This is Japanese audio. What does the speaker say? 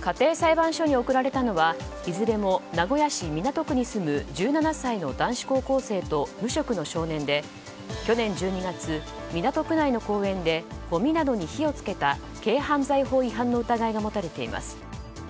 家庭裁判所に送られたのはいずれも名古屋市港区に住む１７歳の男子高校生と無職の少年で去年１２月、港区内の公園でごみなどに火を付けた軽犯罪法違反の疑いが持たれています。